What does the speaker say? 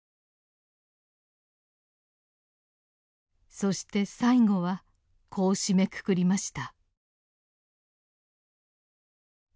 そして最後はこう締めくくりました。